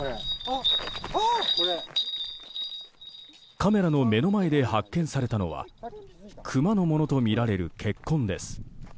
カメラの目の前で発見されたのはクマのものとみられる血痕です。